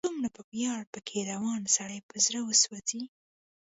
څومره په ویاړ، په کې روان، سړی په زړه وسوځي